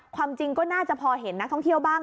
ความจริงก็น่าจะพอเห็นนักท่องเที่ยวบ้าง